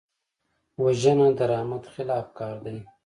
وژنه د رحمت خلاف کار دی